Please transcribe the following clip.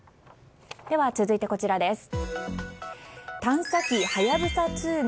続いてこちらです。